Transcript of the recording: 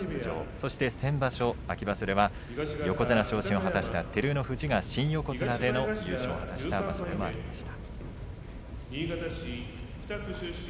そして先場所、秋場所では横綱昇進を果たした照ノ富士が新横綱での優勝となりました。